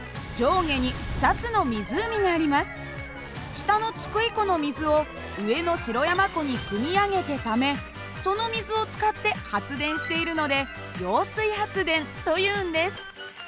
下の津久井湖の水を上の城山湖にくみ上げてためその水を使って発電しているので揚水発電というんです。